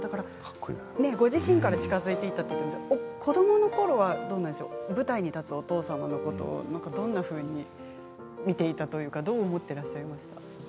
ご自身から近づいていったということですが子どものころは舞台に立つお父さんをどんなふうに見ていたというかどう思っていらっしゃいましたか。